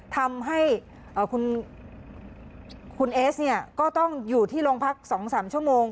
ทำให้คุณเอสเนี่ยก็ต้องอยู่ที่โรงพัก๒๓ชั่วโมง